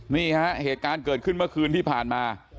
นี่ฮะเหตุการณ์เกิดขึ้นเมื่อคืนที่ผ่านมา